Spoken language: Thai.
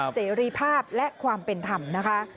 เสรีภาพและความเป็นธรรมนะคะ